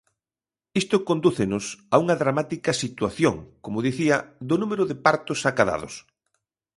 Isto condúcenos a unha dramática situación, como dicía, do número de partos acadados.